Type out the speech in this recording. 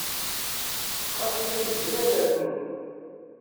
Ɣas ay amezrar rnu-d.